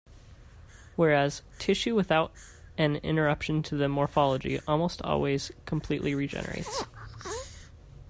Whereas, tissue without an interruption to the morphology almost always completely regenerates.